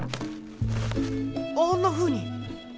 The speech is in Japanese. あんなふうに。